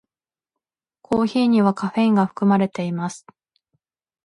コーヒーにはカフェインが含まれています。